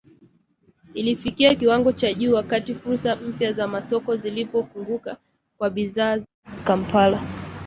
llifikia kiwango cha juu wakati fursa mpya za masoko zilipofunguka kwa bidhaa za Kampala